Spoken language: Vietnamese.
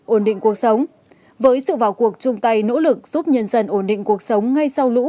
ổn định cuộc sống với sự vào cuộc chung tay nỗ lực giúp nhân dân ổn định cuộc sống ngay sau lũ